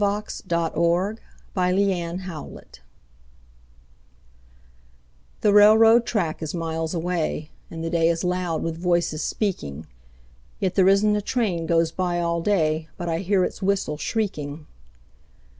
Edna St. Vincent Millay Travel THE railroad track is miles away, And the day is loud with voices speaking, Yet there isn't a train goes by all day But I hear its whistle shrieking.